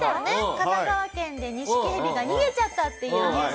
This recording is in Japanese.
神奈川県でニシキヘビが逃げちゃったっていうニュース。